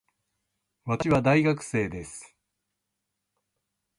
私は大学生です。